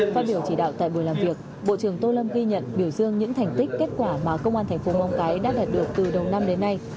phát biểu chỉ đạo tại buổi làm việc bộ trưởng tô lâm ghi nhận biểu dương những thành tích kết quả mà công an thành phố móng cái đã đạt được từ đầu năm đến nay